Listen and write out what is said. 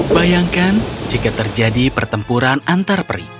bayangkan jika terjadi pertempuran antarperi